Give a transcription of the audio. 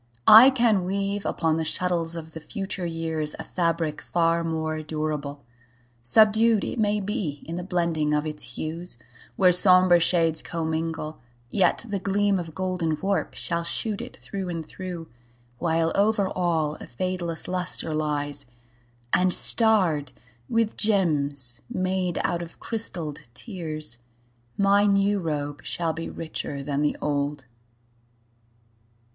I can weave Upon the shuttles of the future years A fabric far more durable. Subdued, It may be, in the blending of its hues, Where somber shades commingle, yet the gleam Of golden warp shall shoot it through and through, While over all a fadeless luster lies, And starred with gems made out of crystalled tears, My new robe shall be richer than the old.